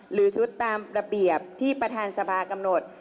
หรือสมมุติตามระเบียบที่ประธานสภากำหนด